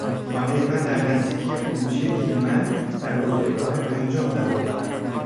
خانهی من در نزدیکی خروجی گیلمن در بزرگراه پنجم قرار دارد.